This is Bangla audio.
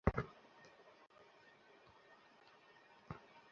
পরে সুপ্রিম কোর্টের আপিল বিভাগ সেই স্থগিতাদেশ আবার স্থগিত করে দেন।